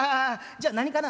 じゃあ何かな？